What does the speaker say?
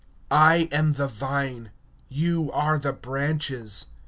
(5)I am the vine, ye are the branches.